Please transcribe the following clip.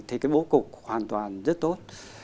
thì cái bố cục hoàn toàn rất tốt